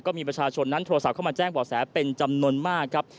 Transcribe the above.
ก็มีประชาชนนั้นโทรศัพท์เข้ามาแจ้งบ่อแสเป็นจำนวนมากครับ